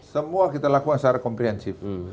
semua kita lakukan secara komprehensif